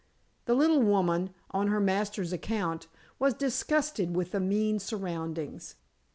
The little woman, on her master's account, was disgusted with the mean surroundings.